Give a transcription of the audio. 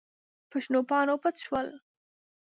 په شنو پاڼو پټ شول.